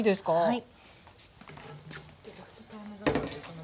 はい。